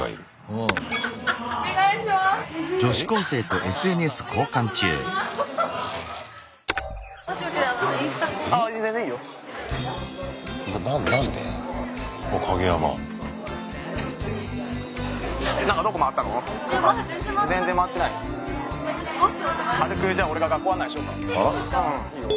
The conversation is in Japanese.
うんいいよ。